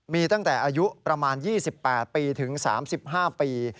มีตั้งแต่อายุประมาณ๒๘ปีถึง๓๕ปี